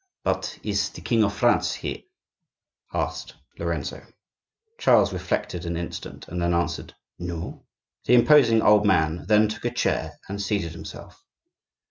"But is the King of France here?" asked Lorenzo. Charles reflected an instant, and then answered, "No." The imposing old man then took a chair, and seated himself.